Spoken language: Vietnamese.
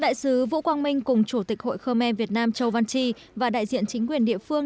đại sứ vũ quang minh cùng chủ tịch hội khơ me việt nam châu văn tri và đại diện chính quyền địa phương